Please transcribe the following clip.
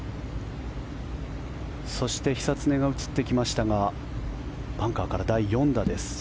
そして、久常が映ってきましたがバンカーから第４打です。